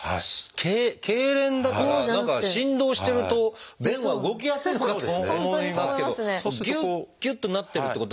けいれんだから何か振動してると便は動きやすいのかと思いますけどぎゅっぎゅっとなってるってことは。